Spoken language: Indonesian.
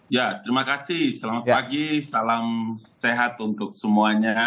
ya terima kasih selamat pagi salam sehat untuk semuanya